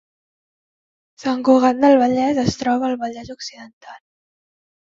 Sant Cugat del Vallès es troba al Vallès Occidental